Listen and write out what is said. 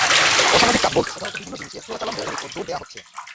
অসামাজিক কাজ বলতে প্রধানত বিভিন্ন জিনিসের চোরাচালান বন্ধের ওপর জোর দেওয়া হচ্ছে।